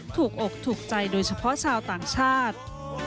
ถูกอกถูกใจโดยเฉพาะชาวต่างชาติ